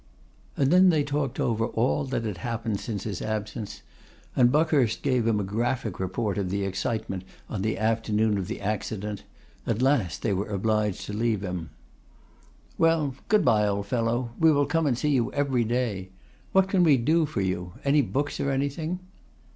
And then they talked over all that had happened since his absence; and Buckhurst gave him a graphic report of the excitement on the afternoon of the accident; at last they were obliged to leave him. 'Well, good bye, old fellow; we will come and see you every day. What can we do for you? Any books, or anything?